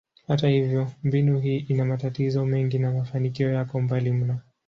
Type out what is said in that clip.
Hata hivyo, mbinu hii ina matatizo mengi na mafanikio yako mbali mno.